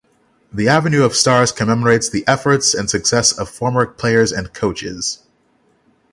The "Avenue of Stars" commemorates the efforts and success of former players and coaches.